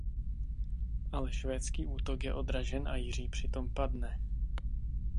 Ale švédský útok je odražen a Jiří přitom padne.